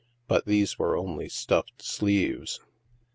But these were only stuffed sleeves.